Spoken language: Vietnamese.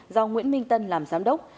do nguyễn minh tân làm giám đốc